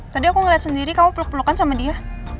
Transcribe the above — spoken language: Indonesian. tadi aku ngeliat sendiri kamu peluk pelukan sama dia